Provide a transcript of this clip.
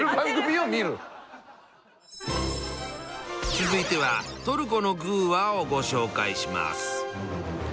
続いてはトルコの「グぅ！話」をご紹介します。